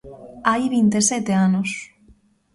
Hai vinte e sete anos.